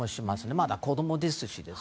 まだ子供ですし。